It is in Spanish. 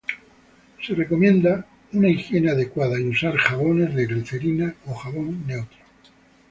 Se recomienda una higiene adecuada, y usar jabones de glicerina o jabón neutro.